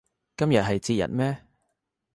今日係節日咩